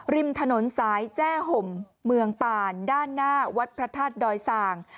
ริมถนนสายแจ้ห่มเมืองป่านด้านหน้าวัดพระธาตุดอยสาง